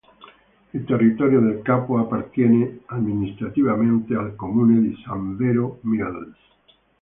Il territorio del capo appartiene amministrativamente al comune di San Vero Milis.